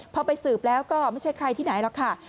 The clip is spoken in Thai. พอไปสืบแล้วก็ไม่ใช่ใครที่ไหนหรอกค่ะ